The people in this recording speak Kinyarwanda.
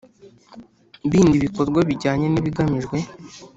Bindi bikorwa bijyanye n ibigamijwe